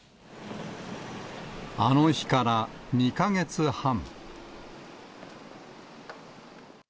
あの日から２か月半。